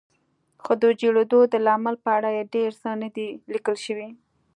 خو د جوړېدو د لامل په اړه یې ډېر څه نه دي لیکل شوي.